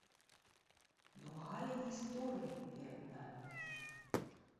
Другая гісторыя перад намі.